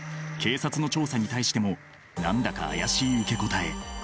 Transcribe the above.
警察の調査に対しても何だか怪しい受け答え。